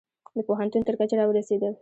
د پوهنتون تر کچې را ورسیدل